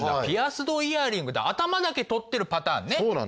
ピアスド・イヤリングで頭だけ取ってるパターンね。